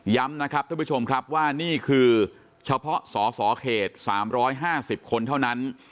นะครับท่านผู้ชมครับว่านี่คือเฉพาะสสเขต๓๕๐คนเท่านั้น